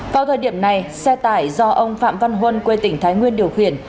vào thời điểm này xe tải do ông phạm văn huân quê tỉnh thái nguyên điều khiển